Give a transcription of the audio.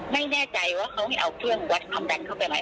ไม่แน่ใจว่าเขาไม่เอาเครื่องวัดความดันเข้าไปมาปกติจะไม่ให้เอาเข้า